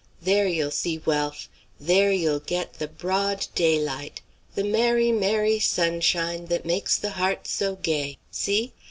There you'll see wealth! There you'll get the broad daylight 'The merry, merry sunshine, that makes the heart so gay.' See?